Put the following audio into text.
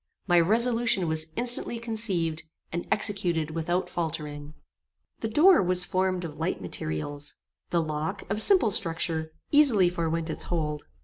My resolution was instantly conceived, and executed without faultering. The door was formed of light materials. The lock, of simple structure, easily forewent its hold.